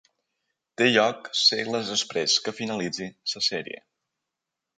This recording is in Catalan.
Té lloc segles després que finalitzi la sèrie.